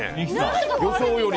予想より。